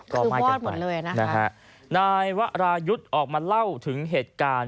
ก็ไหม้กันหมดเลยนะฮะนายวรายุทธ์ออกมาเล่าถึงเหตุการณ์